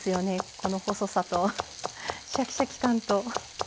この細さとシャキシャキ感と。